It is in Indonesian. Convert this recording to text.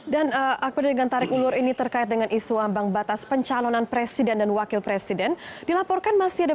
dan akibat dengan tarik ulur ini terkait dengan isu ambang batas pencalonan presiden dan wakil presiden